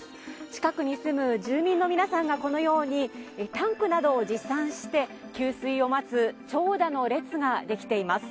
近くに住む住民の皆さんがこのようにタンクなどを持参して、給水を待つ長蛇の列が出来ています。